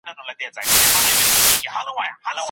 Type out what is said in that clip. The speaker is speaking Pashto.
ولسمشره، د خلکو ژوند ته لومړیتوب ورکړئ.